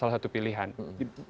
bagaimana menurut anda